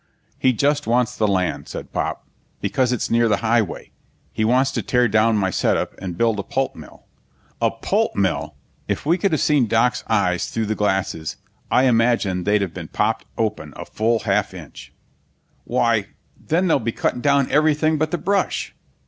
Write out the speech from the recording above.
"He just wants the land," said Pop, "because it's near the highway. He wants to tear down my setup and build a pulp mill." "A pulp mill!" If we could have seen Doc's eyes through the glasses I imagine they'd have been popped open a full half inch. "Why, then they'll be cutting down everything but the brush!"